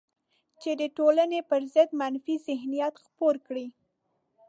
چې د ټولنې پر ضد منفي ذهنیت خپور کړي